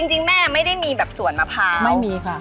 จริงแม่ไม่ได้มีแบบสวนมะพร้าวไม่มีค่ะ